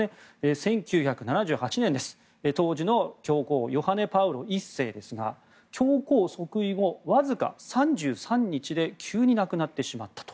１９７８年、当時の教皇ヨハネ・パウロ１世ですが教皇即位後わずか３３日で急に亡くなってしまったと。